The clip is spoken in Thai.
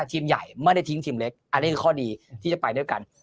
ทีมใหญ่ไม่ได้ทิ้งทีมเล็กอันนี้คือข้อดีที่จะไปด้วยกัน